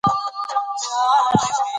مېوې د افغان تاریخ په کتابونو کې ذکر شوی دي.